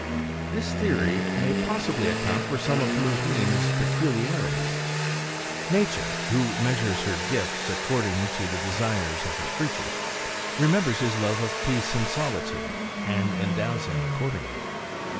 This theory may possibly account for some of Mooween's peculiarities. Nature, who measures her gifts according to the desires of her creatures, remembers his love of peace and solitude, and endows him accordingly.